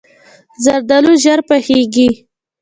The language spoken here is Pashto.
زردالو ژر پخیږي.